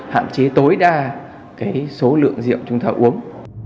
hạn chế tối đa số lượng rượu chúng ta uống